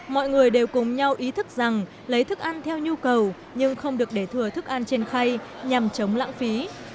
mọi người đều cùng nhau ý thức rằng lấy thức ăn theo nhu cầu nhưng không được để thừa thức ăn trên khay nhằm chống lãng phí